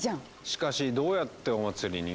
しかしどうやってお祭りに？